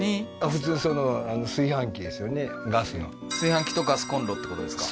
炊飯器とガスコンロってことですか？